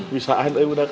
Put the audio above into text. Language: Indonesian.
bisaan ya budak budak